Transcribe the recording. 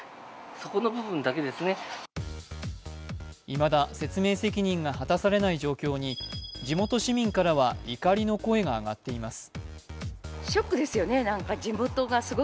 いまだ説明責任が果たされない状況に地元市民からは怒りの声が上がっています。